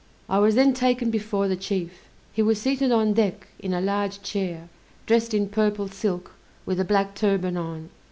I was then taken before the chief. He was seated on deck, in a large chair, dressed in purple silk, with a black turban on.